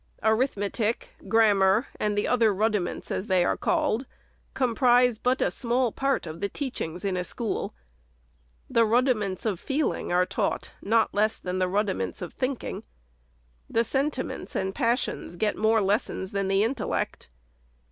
Arithmetic, grammar, and the other rudiments, as they are called, comprise but a small part of the teachings in a school. The rudiments of feeling are taught not less than the rudiments of thinking. The sentiments • and passions get more lessons than the intellect.